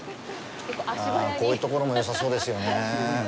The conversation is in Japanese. あ、こういうところもよさそうですよね。